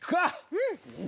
うん。